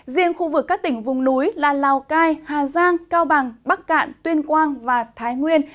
diện khu vực các tỉnh vùng núi là lào cai hà giang cao bằng bắc cạn tuyên quang và thái nguyên